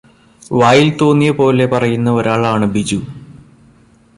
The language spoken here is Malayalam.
വായിൽ തോന്നിയ പോലെ പറയുന്ന ഒരാളാണ് ബിജു.